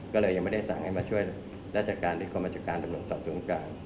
ก็เลยยังไม่ได้สั่งให้มาช่วยราชการที่กรมชการตำรวจสอบสวนกลาง